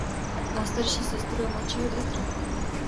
Má starší sestru a mladšího bratra.